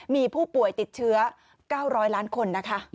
มีผู้ป่วยติดเชื้อ๙๐๐ล้านคนนะคะ